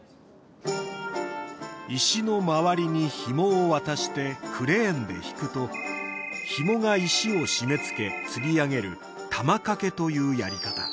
石の周りにひもを渡してクレーンで引くとひもが石を締めつけつり上げる玉掛けというやり方